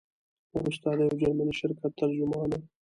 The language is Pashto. وروسته د یو جرمني شرکت ترجمان وو.